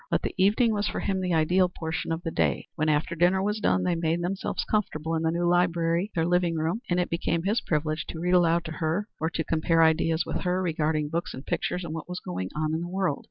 But the evening was for him the ideal portion of the day; when, after dinner was done, they made themselves comfortable in the new library, their living room, and it became his privilege to read aloud to her or to compare ideas with her regarding books and pictures and what was going on in the world.